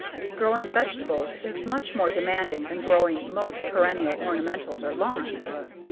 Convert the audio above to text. Growing vegetables is much more demanding than growing most perennial ornamentals or lawns.